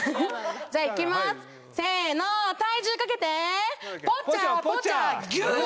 じゃあいきますせーのポチャポチャギュン！